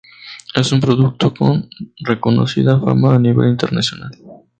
Es un producto con reconocida fama a nivel internacional.